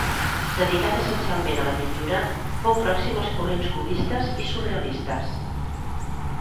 Dedicat essencialment a la pintura, fou pròxim als corrents cubistes i surrealistes.